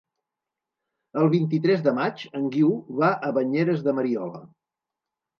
El vint-i-tres de maig en Guiu va a Banyeres de Mariola.